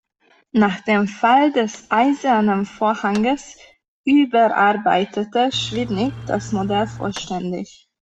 Nach dem Fall des Eisernen Vorhanges überarbeitete Świdnik das Modell vollständig.